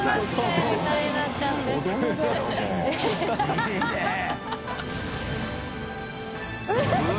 いいね